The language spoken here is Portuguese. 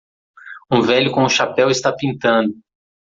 Um velho com um chapéu está pintando